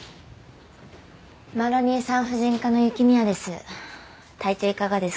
マロニエ産婦人科の雪宮です。